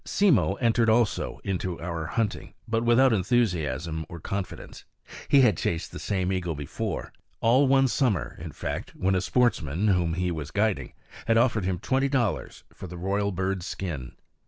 Simmo entered also into our hunting, but without enthusiasm or confidence. He had chased the same eagle before all one summer, in fact, when a sportsman, whom he was guiding, had offered him twenty dollars for the royal bird's skin.